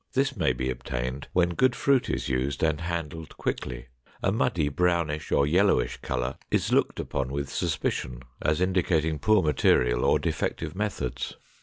This may be obtained when good fruit is used and handled quickly; a muddy brownish or yellowish color is looked upon with suspicion as indicating poor material or defective methods.